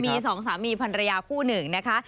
มี๒สามีพันธุรยากู้หนึ่งนะคะ